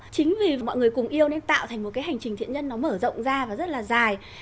chính vì mọi người cùng yêu nên tạo thành một cái hành trình thiện nhân nó mở rộng ra và rất là dài